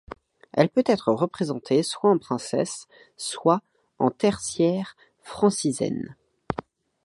Elle peut être représentée soit en princesse, soit en tertiaire franciscaine.